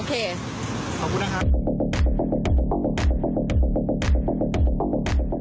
ขอบคุณนะครับ